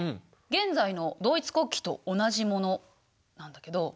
現在のドイツ国旗と同じものなんだけど。